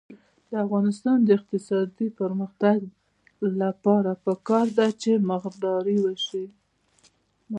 د افغانستان د اقتصادي پرمختګ لپاره پکار ده چې مرغداري وشي.